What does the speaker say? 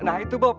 nah itu bob